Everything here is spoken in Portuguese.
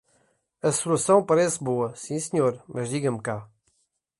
A solução parece boa, sim senhor. Mas diga-me cá